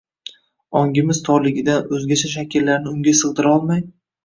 Ongimiz torligidan, o‘zgacha shakllarni unga sig‘dirolmay